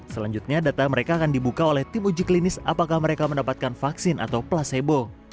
selanjutnya data mereka akan dibuka oleh tim uji klinis apakah mereka mendapatkan vaksin atau placebo